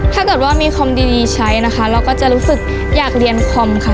ถ้าเกิดว่ามีคอมดีใช้นะคะเราก็จะรู้สึกอยากเรียนคอมค่ะ